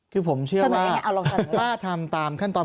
คือผมเชื่อว่าถ้าทำตามขั้นตอน